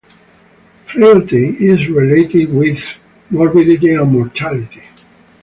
Frailty is related with morbidity and mortality.